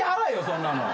そんなの。